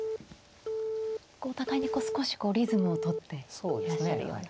お互いに少しこうリズムをとっていらっしゃるような。